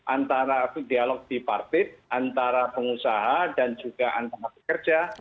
antara dialog di partit antara pengusaha dan juga antara pekerja